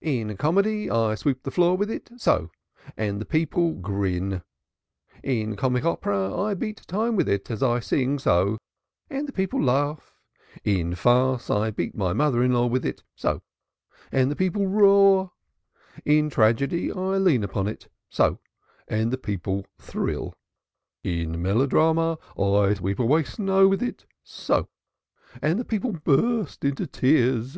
"In comedy I sweep the floor with it so and the people grin; in comic opera I beat time with it as I sing so and the people laugh; in farce I beat my mother in law with it so and the people roar; in tragedy I lean upon it so and the people thrill; in melodrama I sweep away the snow with it so and the people burst into tears.